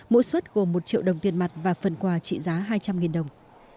mỗi suất gồm một triệu đồng tiền mặt và phần quà trị giá hai trăm linh đồng